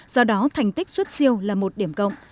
do đó thành tích xuất siêu là một điểm cộng